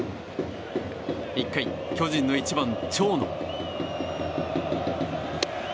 １回、巨人の１番、長野。